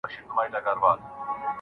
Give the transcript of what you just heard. څو به مي لا څانګو ته غوسه وي د مرګي سیلۍ